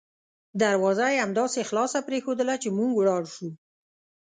دروازه یې همداسې خلاصه پریښودله چې موږ ولاړ شوو.